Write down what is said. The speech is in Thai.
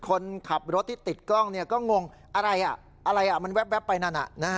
คนขับรถที่ติดกล้องก็งงอะไรมันแวบไปนั่น